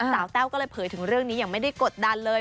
แต้วก็เลยเผยถึงเรื่องนี้อย่างไม่ได้กดดันเลย